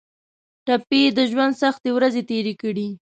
ټپي د ژوند سختې ورځې تېرې کړي.